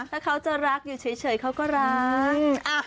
ถ้าเขาจะรักอยู่เฉยเขาก็รัก